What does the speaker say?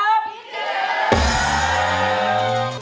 คิดถึง